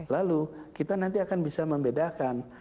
lalu kita nanti akan bisa membedakan